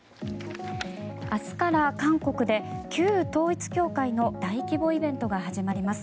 明日から韓国で旧統一教会の大規模イベントが始まります。